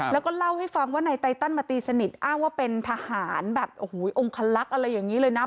แล้วก็เล่าให้ฟังว่านายไตตันมาตีสนิทอ้างว่าเป็นทหารแบบโอ้โหองคลักษณ์อะไรอย่างนี้เลยนะ